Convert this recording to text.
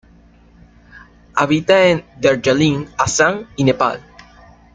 Habita en Darjeeling, Assam y Nepal.